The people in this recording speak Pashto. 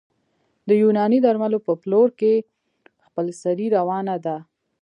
د یوناني درملو په پلور کې خپلسري روانه ده